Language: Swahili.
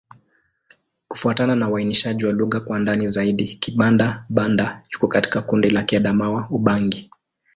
Kufuatana na uainishaji wa lugha kwa ndani zaidi, Kibanda-Banda iko katika kundi la Kiadamawa-Ubangi.